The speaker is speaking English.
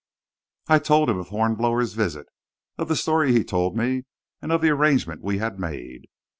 I told him of Hornblower's visit, of the story he told me, and of the arrangement we had made.